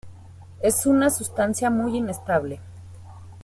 Es una sustancia muy inestable.